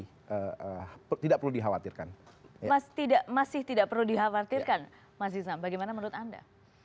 masih tidak perlu dikhawatirkan mas isnam bagaimana menurut anda